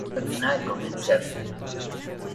Allí tampoco termina de convencer.